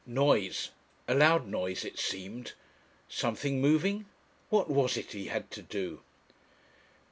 Noise! A loud noise it seemed. Something moving? What was it he had to do?